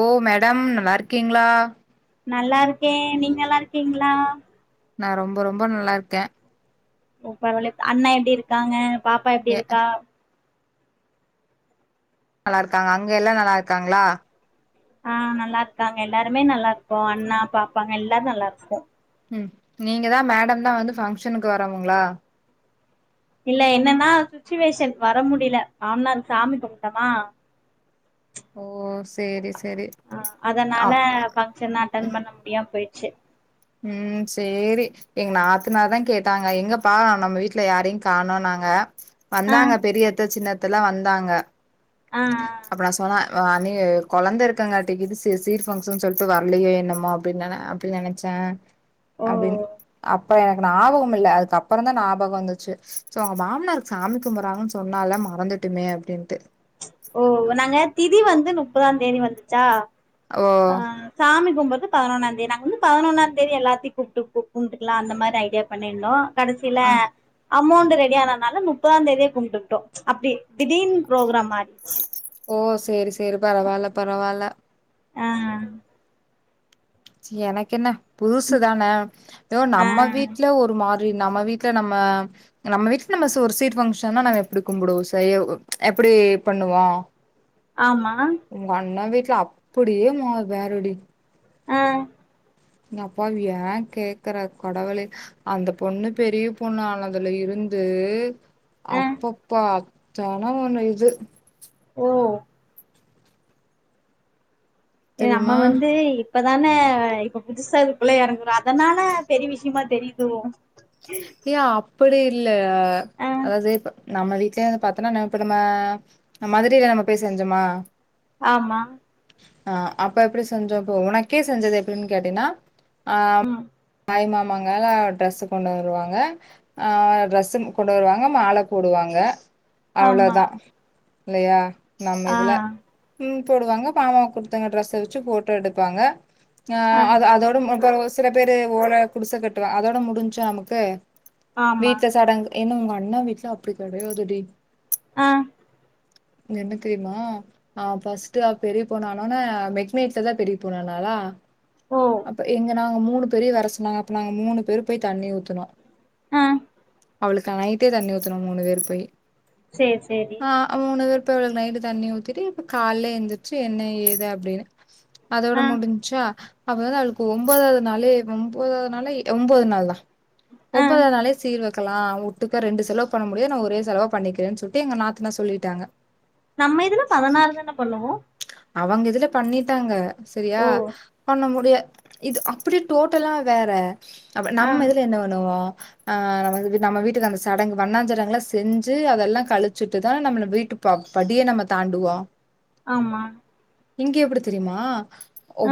ஓ madam நல்லார்க்கீங்ளா நல்லா இருக்கே நீங்க நல்லா இருக்கீங்களா நா ரொம்ப ரொம்ப நல்லா இருக்க சூப்பர் [unintelligible] அண்ண எப்டி இருக்காங்க பாப்பா எப்டி ஏ இருக்கா நல்லாருக்காங்க அங்க எல்லா நல்லாருக்காங்ளா ஆ நல்லார்க்காங்க எல்லாருமே நல்லார்க்கோ அண்ணா பாப்பாங்க எல்லார் நல்லார்க்கோ ம் நீங்க தா மேடம் தா வந்து ஃபங்க்ஷனுக்கு வரவங்களா இல்ல என்னன்னா சுச்சுவேஷன் வர முடில மாமனாருக்கு சாமி கும்ட்டமா ஓ சேரி சேரி ஆ அதனால ஆம் ஃபங்க்ஷன் அட்டன் பண்ண முடியாம போயிட்டு செர் ம் செரி எங்க நாத்தனார்தான் கேட்டாங்க எங்கப்ப நம்ம வீட்டுல யாரையும் காணோ நாங்க ஆ வந்தாங்க பெரியத்த சின்ன அத் த்தல்லாம் ‌வந்தாங்க ஆ ஆ அப்ப நா சொன அ அண்ணி கொழந்த இருக்கங்காட்டிக்குது சீ சீர் பங்க்ஷன்னு சொல்ட்டு வரலையே என்னமோ அப்பிடின்னு ந அப்பிடி நெனைச்சேன் ஓ அப்டீன்னு அப் அப்ப எனக்கு ஞாபகம் இல்ல அதுக்கப்பறம் தான் ஞாபகம் வந்துச்சு சோ அவ மாமனாருக்கு சாமி கும்புறாங்கன்னு சொன்னால மறந்துட்டுனே அப்டின்ட்டு ஓ நாங்க தி திதி வந்து முப்பதா தேதி வந்துச்சா ஓ அ சாமி கும்பற் பதுனொன்னாந்தே நாங் வந்து பதுனொன்னாந்தேதி எல்லாத்யு கூப்ட்டு கு கும்ட்டுக்லா அந்த மாரி ஐடியா பண்ணிர்ந்தோ கடசில ஆ அமோண்டு ரெடி ஆனனால முப்பதாந்தேதியே கும்டுக்ட்டோ அப்டி திடீன் ப்ரோக்ராம் மாறிச்சு ஓ சேரி சேரி பரவால்ல பரவால்ல அ சி எனக் என்ன புதுசு தான யோ ஆ நம்ம வீட்ல ஒரு மார் நம வீட்ல நம்ம நம்ம வீட்டு நம்ம சோறு சைட் பங்க்ஷன்னா நாங்க எப்புடி கும்புடுவு சையவு எப்புடி பண்ணுவோ ஆமா து அப்புடியே மோ வேறடி அ இங் அப்பாவிய கேக்குற கடவுளே அந்த பொண்ணு பெரிய பொண்ணு ஆனதுல இருந்து ஆ அப்பப்பா தானா ஒன்னு இது ஓ ஏ அம்ம தெரியுமா வந்து இப்பதான இப்ப புதுசா இதுக்குள்ள எறங்குறோ அதனால பெரிய விஷிமா தெரிய்தோ ஏ ஆப் புடிஇல் ல ஆ அதாது இப்ப நம்ம வீட்லேந்து பாத்தனா ந இப்ப நம்ம மதுரைல நம்ம பேய் செஞ்சமா ஆமா அ அப்ப இப்புடி செஞ்சோ இப்ப உனக்கே செஞ்சது எப்புடின் கேட்டைனா அ ம் ஆய் மம் மங்கால ட்ரஸ்சு கொண்டு வருவா ஆ ட்ரஸ்ஸும் கொண்டு வருவாங்க மால போடுவாங்க ஆமா அவ்ளோதா இல்லயா நம் ஆ இதுல ம் போடுவாங்க பாவா குட்த்தங்க ட்ரஸ்ஸ வச்சு போட்டோ எடுப்பாங்க யா ஆ அத அதோடும் உக்கார வெச் சில பேரு ஓல குடிச கட்டுவ அதோட முடிஞ்சா அமுக்கு ஆமா வீட்ல சடங்கு ஏனா உங்க அண்ணா வீட்ல அப்டி கெடையாது டி ஆ என்ன தெரியுமா ஆ ஃபஸ்ட் அவ பெரிய பொண்ணு ஆனோனே மிட் நைட்ல தா பெரிய பொண்ணு ஆனாலா ஓ அப்ப எங்கனா ங்க மூணு பேரையு வரசொன்னாங்க அப்போ நாங்க மூணு பேரு போய் தண்ணி ஊத்துனோ ஆ அவுளுக்கு நைட்டே தண்ணி ஊத்தூனோ மூணு பேர் போய் சேரி ஆ சேரி அவ மூணு பேரு இப்ப இவளுக்கு நைட்டு தண்ணி ஊத்திட்டு இப்ப கால்ல எந்திரிச்சு என்ன ஏது அப்டினு அதோட ஆ முடிஞ்ச்சா அப்ப தா அவுளுக்கு ஒம்பதாவது நாளே ஒம்பதாவது நாளே ஒம்போது நாள் தா ஆ ஒம்பதாவது நாளே சீர் வக் க்லா உட்டுக்க ரெண்டு செலவு பண்ண முடியாது நா ஒரே செலவா பண்ணிக்கிறேன்னு சொல்லி எங்க நாத்னா சொல்லிட்டாங்க நம்ம இதுல பதினாறு தான பண்ணுவோ அவங்க இதுல பண்ணிட்டாங்க செரியா ஓ பண்ண முடியா இது அப்டி டோட்டலா வேற அப் ஆ நம்ம இதுல என்ன பண்ணுவோ ஆ நம்மது நம்ம வீட்டுக்கு அந்த சடங்கு வண்ணாஞ் சடங்குலா செஞ்சு அதல்லா கழிச்சுட்டுதா நம்மள வீட்டு ப படியே நம்ம தாண்டுவோ ஆமா இங்கே எப்புடி தெரிய்மா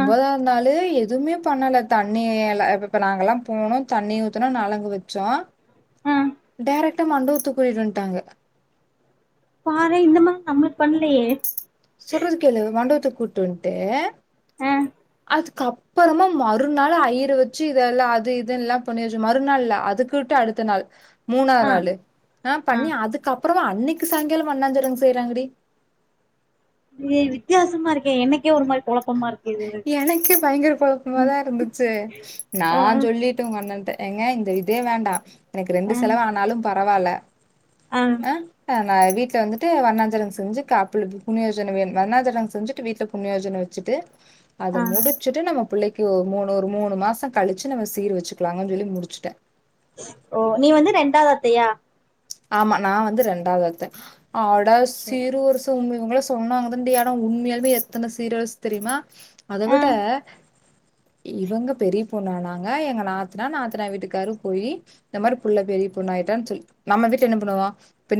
ஆ நாளு எக் எதுவுமே பண்ணல தண்ணி எல இப்பப்ப நாங்கல்லா போனோ தண்ணி ஊத்துனோ நலங்கு வச்சோ ஆ டேரக்டா மண்டவத்துக்கு கூட்டிட்வன்டாங்க பண்லயே சொல்றது கேளு மண்டபத்துக் கூட்டுவன்ட்டு ஆஹ் துக்குப்பறமா மறுநாள் ஐயர வச்சு இதெல்லா அது இது எல்லா பண்ணி வச்சு மறுநாள்ல்ல அதுக்குட்டு அடுத்த நாள் ஆ மூணாத்நாளு ஆஹ ஆ பண்ணி அதுக்கப் அப்புறமா அன்னைக்கு சாயங்காலம் அண்ணாஞாரம் செய்யறாங்கடி நீ வித்தியாசமா இருக்க என்னைக்கே ஒரு மாரி கொழப்பமா இருக் எனக்கே பயங்கர குழப்பமாதா இருந்துச்சு நா ஆ சொல்லிட்ட உங்க அண்ணன்கிட்ட ஏங்க இந்த இதே வேண்டாம் எனக்கு ஆ ரெண்டு செலவு ஆனாலும் ப பரவால்ல ஆ ம் அ வீட்டுல வந்துட்டு வண்ணா்சரகம் செஞ்சு காப்ல புண்ணியோஜனனை வே வண்ணா்சரம் செஞ்சுட்டு வீட்டுல புண்ணியயோஜன வச்சிட்டு அத ஆ முடிச்சுட்டு நம்ம பிள்ளைக் கியோ மூணு ஒரு மூணு மாசம் கழிச்சு நம்ம சீர் வச்சுக்கலாங்கன்னு சொல்லி முடிஸ்டேன் ஓ நீ வந்து ரெண்டாவது அத்தையா ஆமா நா வந்து ரெண்டாவுது அத்த அட சீர் வருசை சொன்னாங்கதான்டி ஆனா உண்மையாலுமே எத்தன சீர் வருச தெரியுமா ஆ அதவிட இவங்க பெரிய பொண்ணு ஆனாங்க எங்க நாத்தனா நாத்தனார் வீட்டுக்கார் போயி இந்த மாரி புள்ள பெரிய பொண்ணு ஆயிட்டான்னு சொல்லி நம்ப வீட்ல என்ன பன்னுவோ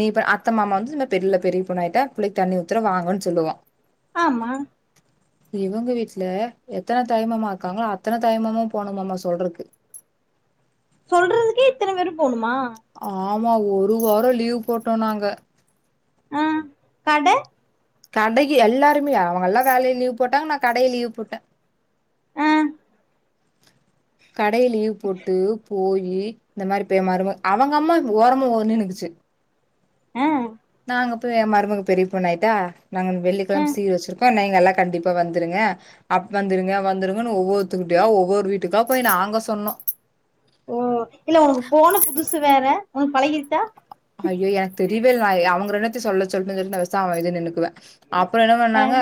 நிதா அத்த‌மாமா‌‌ னு நம்ம தெருவுல பெரிய பொண்ணு ஆயிட்டா புள்ளைக்கு தண்ணி ஊத்தரொம் வாங்கனு சொல்லுவோம் ஆமா இவங்க வீட்டு்ல எத்தன தாய்மாமா இருக்காங்களோ அத்தன தாய்மாமாயு போணும்மம்மா மா சொல்றக்கு சொல்றதுக்கே இத்தன பேரு போணுமா ஆ ஆமா ஒரு வாரோ லீவ் போட்டோ நாங்க ஆஹ கட கடைக்கு எல்லாருமே அவங்க எல்லா வேலைய லீவு போட்டாங்க நா கடைய லீவு போட்ட ஆ கடை ய லீவு போட்டு போயி இந்த மாதிரி பேய மாறிதா அவங்க அம்மா ஓரமா ஒதிங்கி நின்னுக்குச்சு ஆஹ நாங்க போய் எ மருமக பெரிய பொண்னு ஆயிட்டா நாங்க ஆ வெள்ளிக்கிழம் சீர் வச்சிருக்கோ நீங்க எல்லா கண்டிப்பா வந்துருங்க அப்ப வந்துருங்க வந்துருங்கன்னு ஒவ்வொருத்துர்க்கிட்யா ஒவ்வொரு வீட்டுக்கா போய் நாங்க சொன்னோ ஓ இல்ல உனக்கு போன புதுசு வேற உனக்கு பழகிருத்தா ஐயோ எனக்கு தெரியவே இல்ல அவங்க ரெண்டுபே சொல்ல சொல்லன்னு நா பெசாம வேலியா நின்னுக்குவ அப்ரோ என்ன ஆ பண்ணாங்க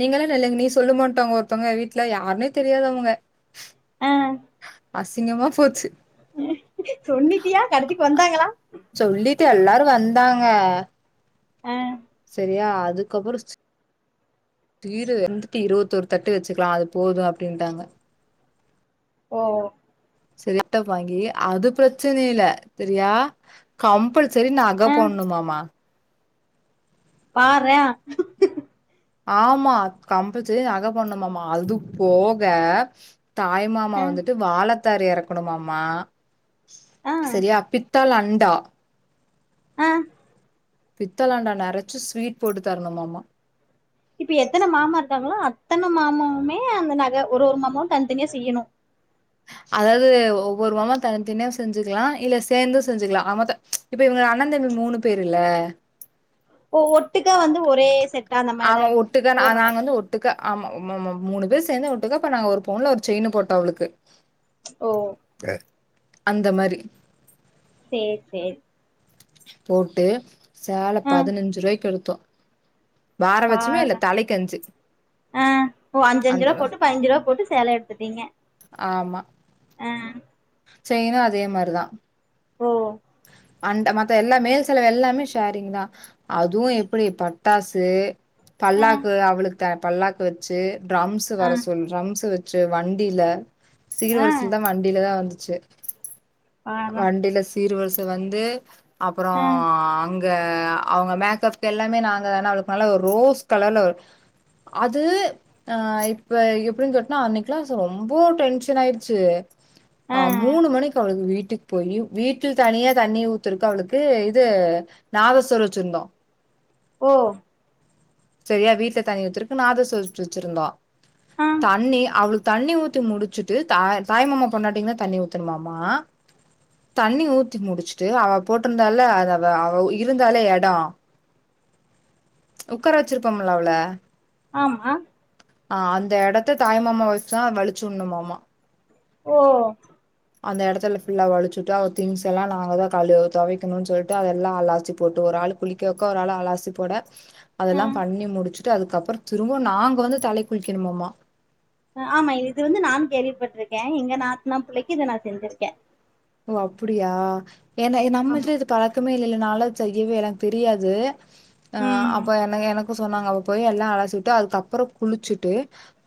நீங்கலே இல்ல இல்லைங்க நீ சொல்லுமான்டாங்க ஒருத்தவங்க வீட்டுல யாருனே தெரியாது அவங்க ஆஹ அசிங்கமா போச்சு சொன்னிட்டியா கடசிக்கு வந்தாங்களா ந்தங்கா ம் சரியா அதுக்கப்ரோ சீ சீரு [unintelligible] இருவத்தோரு தட்டு வச்சுக்கலா அது போது அப்படின்ட்டாங்க ஓஓ சரி [unintelligible] வாங்கி அது பிரச்சன இல்ல செரியா கம்பல்சரி நக ஆ போன்ணுமா மா பார்ரே ஆமா கம்பல்சரி நக போட்னுமாமா அது போக தாய் மாமா வந்துட்டு வாழ த்தாரு எறக்கணுமாமா ஆ சரியா பித் தலண்டா ஆஹ் பித்தலண்டா நெரச்சு ஸ்வீட் போட்டு தரணுமாமா இப்ப எத்தன மாமா இருக்காங்களோ அத்தன மாமவுமே அந்த நக ஒரு ஒரு மாமாவு தனிதனியா செய்யணு அதாவது ஒவ்வொரு மாமா தனி தனியா செஞ்சுக்கலா இல்ல சேர்ந்தும் செஞ்சுக்கலா ஆகமொத்த இப்ப இவங்க அண்ணதம்பி மூணு பேருல்ல ஓ ஒட்டுக்கா வந்து ஒரே செட் ஆமா ஒட்டுக்க நா நாங்கந்து ஒட்டுக்க ஆமாமாமா மூணு பேர் சேர்ந்து ஒட்டுக்கா பண்ணாங்க ஒரு பவுன்ல ஒரு செயினு போட்டோ அவளுக்கு ஓ அந்த மாரி சேர் சேர் போட்டு சேல பதினஞ்சுருவாய்க்கெடுத்தோ பார்ரா தலைக்கஞ்சு ஆஹ் ஓ அஞ்சஞ்சு அந்த ருவா போட்டு பதனெஞ்சுருவா போட்டு சேல எடுத்துட்டீங்க ஆமா ஆ செய்ணூ அதே மாரிதா ஓ அண்ட மத்த எல்லா மேல் செலவு எல்லாமே ஷேரிங் தா அதுவு எப்டி பட்டாசு ஆ பல்லாக்கு அவளுக் த பல்லாக்கு வெச்சு டிரம்ஸ் ஆ வர சொல் ட்ரம்ஸ்ஸ வச் ச்சு வண்டில ஆ சீர்வரிசில்தா வண்டில தா வந்து ச்சு பார்றே வண்டில சீர்வரிச வந்து அப்புறம் ஆ அங்க அவங்க மேக்கப்கு எல்லாமே நாங்காதான அவளுக்கு நல்ல ரோஸ் கலர்ல அது ஆ இப்ப எப்டி கேட்டியா ரொம்ப டென்ஷன் ஆய்டுச்சு ஆ மூணு மணிக்கு அவளுக்கு வீட்டு க்கு போய் வீட் வீட்ல தனியா தண்ணி ஊத்துரக்கு அவளுக்கு இது நாதஸ்வர வெச்சுருந்தோ ஓ சரியா வீட்ல தயிர் திருக்கு ந தஸ் சொச்சு வச்சிருந்தா ஆ தண்ணி அவளுக்கு தண்ணி ஊத்தி முடிச்சுட்டு த் தாய்மமா பொண்ணாட்டீங்கன்னா தண்ணி ஊத்தணமாமா தண்ணி ஊத்தி முடிச்சுட்டு அவ போட்டிருந்தால அத அவ இருந்தாலே எடம் உட்கார வச்சிருப்போம்ல அவ்ள ஆமா ஆ அந்த இடத்த தாய்மாம வச்சா வலிச்சுணுமாம ஓ அந்த எடத்துல ஃபுல்லா வழிச்சுட்டு அவ திங்ஸ் எல்லாம் நாங்கள் தான் கழு துவைக்கணும்ன்னனு சொல்லிட்டு அதெல்லாம் அலாசி போட்டு ஒரு ஆள் குளிக்க வைக்க ஒரு ஆள் அலாசி போட ஆ அதெல்லாம் பண்ணி முடிச் ட்டு அதுக்கப்புறம் திரும்ப நாங்க வந்து தலை குளிக்கணுமோமா ஆமா இது வந்து நானும் கேள்விப்பட்ருக்கேன் எங்க நாத்தனா பிள்ளைக்கு இத நான் செஞ்சிருக்கேன் ஓ அப்படியா ஏன்ன இது நம்ம ஆமா இது பழக்கமே இல்லைனாள செய்யவே எனக்கு தெரியாது ஆ ம் அப்ப எனகு எனக் ஆ சொன்னாங்க அவ போய் எல்லாம் அலாசிவுட்டு அதுக்குக்கப்புறம் குளிச்சுட்டு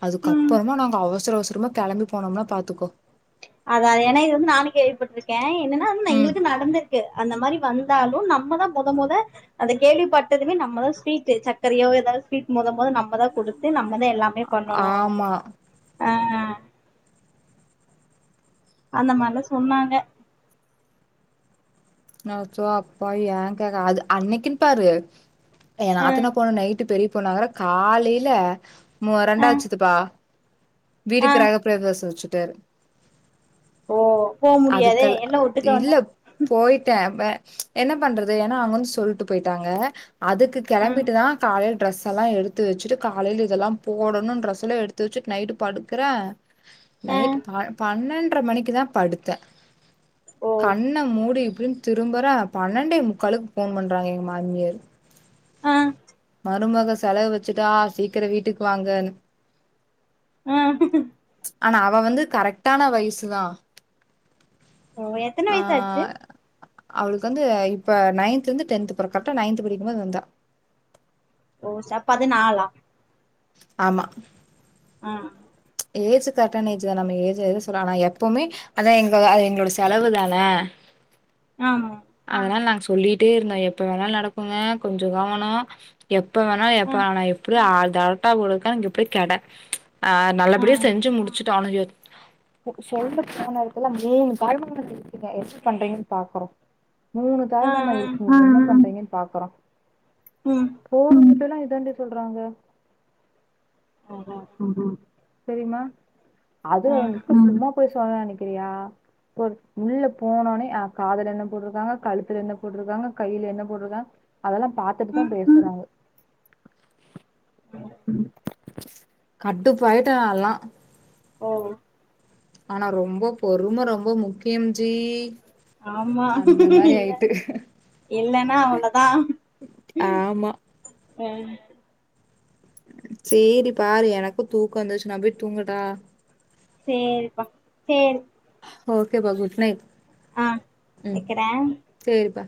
அதுக்கு ம் அப்புறமா நாங்க அவசர அவசரம் திரும்ப கிளம்பி போனோம்னா பாத்துக்கோ அதான்து ஏன்னா இது வந்து நானும் கேள்விப்பட்ருக்கேன் என்னன்னா ம் எங்களுக்கு நடந்திருக்கு அந்த மாதிரி வந்தாலும் நம்மதான் முத மொத அந்த கேள்விப்பட்டதுமே நம்மதான் ஸ்வீட்டு் சர்கரையோ ஏதாவது ஸ்வீட் மொத மொத நம்ம தான் கொடுத்து நம்ம வந்து எல்லாமே பண்ணணும் ஆமா ஹ ஆ அந்த மாரிலாம் சொன்னாங்க நா சோ அப்பா ஏன் கே்க அது அன்னைக்குன்னு பாரு என் ஆ நாத்தனா பொண்ணு நைட்டு பெரிய போனாங்கற காலையில ம ஆ ரெண்டாச்சதுப்பா வீடு ஆ கிரகபிரவே வச்சு ட்டுர் ஓ போக முடியாதே எல்லாம் ஒட்டுக்க வந்தா நப என்ன பண்றது ஏன்னா அங்கன்னு சொல்லிட்டு போயிட்டாங்க அதுக்கு ஆ கிளம்பிட்டு தான் காலையில் ஃட்ரெஸ் எல்லா எடுத்து வச்சுட்டு காலையில இதெல்லா போடணு ட்ரெஸ் எல்லா எடுத்து வச்சுட்டு நைட்டு படுக்குறே ஆ நைட்டு ப பண்ணென் ன்ர மணிக்குதா படுத்தே ஓ கண்ண மூடி இப்டின்னு திரும்புறே பன்னண்டே முக்காலுக்கு போன் பண்றாங்க எங்க மாமியாரு ஆஹ் மருமக செலவு வச்சுட்டா சீக்கரோ வீட்டுக்கு வாங்கன்னு ஆ ஆனா அவ வந்து கரெக்டான வயசுதா ஓ எத்தன ஆ வயசு ஆச்சு அவளுக்கு வந்து இப்ப நையன்தில இருந்து டென்த் போறா கரெக்டா நையன்து படிக்கும்போது வந்தா ஓ ச பதுநாளா ஆமா ம் ஏஜ் கரெக்டான ஏஜ்தா. நம்ம ஏஜ் எது சொல்லலா எப்பவுமே அதா எங்க அது எங்களோட செலவு தான ஆமா அதனால் நாங்க சு சொல்லிட்டே இருந்தோ எப்ப வேணாலு நடக்குங்க கொஞ்சோ கவனோ எப் எப்ப வேணா எப்ப ஆ வேணா ஆனா எப்டி ஆ கரெட்டா குடுத்தா இங்க போய் கெட ஆ நல்ல ஆ படியா செஞ்சு முடிச்சுட் [unintelligible] சொல்லப் போன எடத்துல மூனு தாய்மாமா [unintelligible] எப்டி பண்றீங்கன்னு பாக்குறோம் மூணு ஆ தாய்மாமா ஆ இருக்கீங்க எப்டி பண்றீங்கன்னு அ அ அ பாக்குறோ ம் போல் [inaudible] இதெல்லா எப்டி இரண்டு சொல்றாங்க ஆஹா ம் ஹு செரிமா ஆ அதுவு [inaudible] போய் சொல்லனு நெனக்கிறியா இப்ப உள்ள போனோனே அ காதுல என்ன போட்டுருக்காங்க கழுத்துல என்ன போட்டுருக்காங்க கையில என்ன போட்டுருக்காங்க அதெல்லா பாத்துட்டுதா ம் பேசுறாங்க கடுப்பாயிட்டே நா எல்லா ஓவ் ஆனா ரொம்ப பொறும ரொம்ப முக்கியம் ஜி ஆமா அந்த மாரி இல்ல ஆயிட்டு இல்லன்னா அவ்ளோதா ஆமா ஹ சேரி பாரு எனக்கு தூக்கொ வந்துச்சு நா போய் தூங்கட்டா சேரிப்பா சேரி ஓகே பா குட் நைட் ஆஹ் ம் வெக்கறே சேரிப்பா